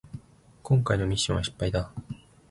こんかいのミッションは失敗だ